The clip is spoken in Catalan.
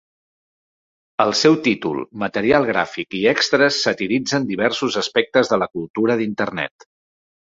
El seu títol, material gràfic i extres satiritzen diversos aspectes de la cultura d'Internet.